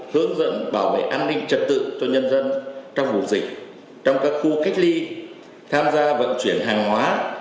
hướng dẫn bảo vệ an ninh trật tự cho nhân dân trong vùng dịch trong các khu cách ly tham gia vận chuyển hàng hóa